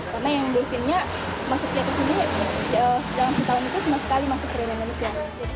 karena yang bluefinnya masuknya ke sini dalam kentalan itu cuma sekali masuk ke dalam manusia